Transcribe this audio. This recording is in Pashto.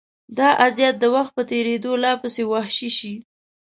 دا اذیت د وخت په تېرېدو لا پسې وحشي شي.